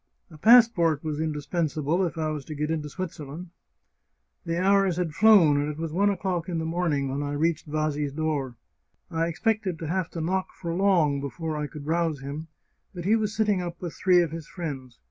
A passport was indis pensable, if I was to get into Switzerland. The hours had flown, and it was one o'clock in the morning when I reached Vasi's door. I expected to have to knock for long before I could rouse him; but he was sitting up with three of his friends.